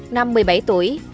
năm một mươi bảy tuổi